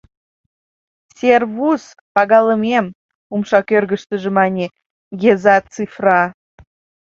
— Сервус, пагалымем, — умша кӧргыштыжӧ мане Геза Цифра.